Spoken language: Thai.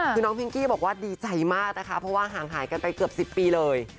คือน้องพิงกี้บอกว่าดีใจมากนะคะเพราะว่าห่างหายกันไปเกือบ๑๐ปีเลย